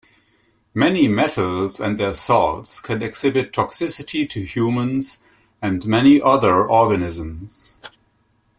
Many metals and their salts can exhibit toxicity to humans and many other organisms.